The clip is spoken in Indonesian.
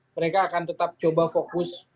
mereka akan tetap coba fokus